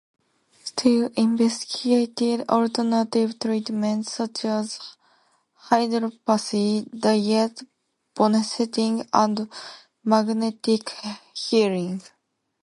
Still investigated alternative treatments, such as hydropathy, diet, bonesetting, and magnetic healing.